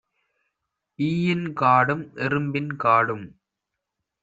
ஈயின் காடும் எறும்பின் காடும்